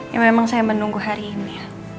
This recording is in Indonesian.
ya memang saya menunggu hari ini